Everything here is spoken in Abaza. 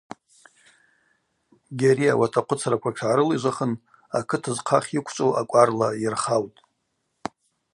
Гьари ауат ахъвыцраква тшгӏарылижвахын акыт зхъахь йыквчӏву акӏварла йырхаутӏ.